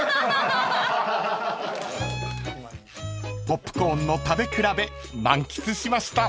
［ポップコーンの食べ比べ満喫しました］